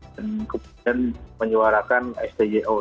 dan kemudian menyuarakan stg out